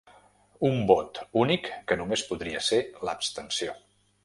Un vot únic que només podria ser l’abstenció.